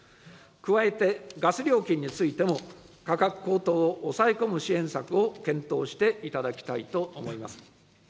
加えて、ガス料金についても、価格高騰を抑え込む支援策を検討していただきたいと思います。